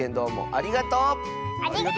ありがとう！